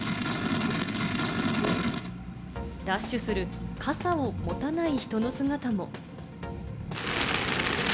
ダッシュする傘を持たない人の姿も。